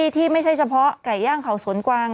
ที่ไม่ใช่เฉพาะไก่ย่างเขาสวนกวาง